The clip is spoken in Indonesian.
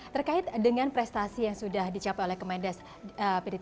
terkait dengan prestasi yang sudah dicapai oleh kemendas pdtt